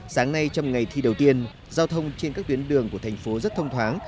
sáng nay trong ngày thi đầu tiên giao thông trên các tuyến đường của tp hcm rất thông thoáng